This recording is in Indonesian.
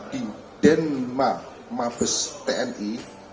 di denma maps tni